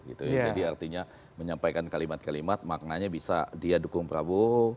jadi artinya menyampaikan kalimat kalimat maknanya bisa dia dukung prabowo